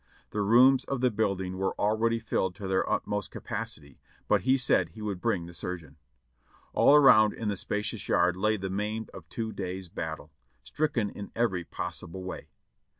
The rooms of the building were already filled to their utmost capa city, but he said he would bring the surgeon. All around in the spacious yard lay the maimed of two days' battle, stricken in every possible way.